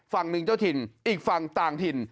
ฝั่งหนึ่งเจ้าถิ่นอีกฝั่งต่างถิ่น